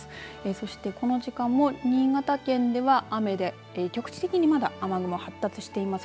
そしてこの時間も新潟県では雨で局地的にまだ雨雲発達しています。